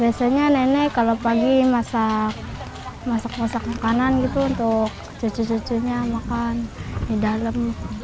biasanya nenek kalau pagi masak masak makanan gitu untuk cucu cucunya makan di dalam